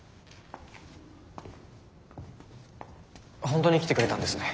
本当に来てくれたんですね。